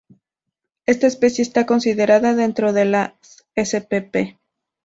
Esta especie está considerada dentro de las "spp.